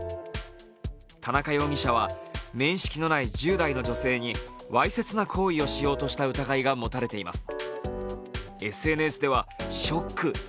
田中容疑者は面識のない１０代の女性にわいせつな行為をしようとした疑いが持たれています。